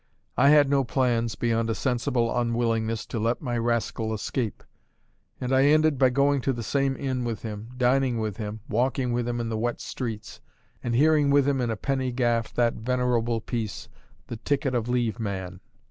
I had no plans, beyond a sensible unwillingness to let my rascal escape; and I ended by going to the same inn with him, dining with him, walking with him in the wet streets, and hearing with him in a penny gaff that venerable piece, The Ticket of Leave Man.